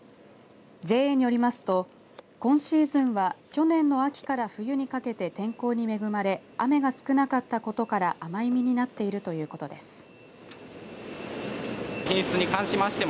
ＪＡによりますと今シーズンは去年の秋から冬にかけて天候に恵まれ雨が少なかったことから甘い実になっているということです。